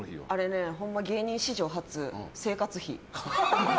ほんま芸人史上初、生活費。